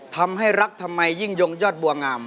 ทำให้รักทำไมยิ่งยงยอดบัวงาม